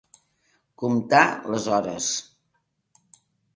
Comptar les hores.